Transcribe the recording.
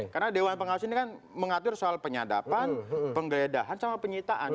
karena dewan pengawas ini kan mengatur soal penyadapan penggeledahan sama penyitaan